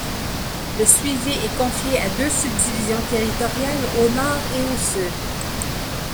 Le suivi est confié à deux subdivisions territoriales, au nord et au sud.